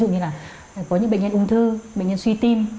về các nhiều mặt bệnh ví dụ như là có những bệnh nhân ung thư bệnh nhân suy tim